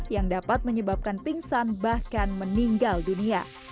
kondisi ini dapat menyebabkan pingsan bahkan meninggal dunia